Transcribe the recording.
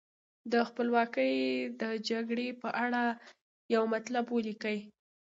د خپلواکۍ د جګړې په اړه یو مطلب ولیکئ.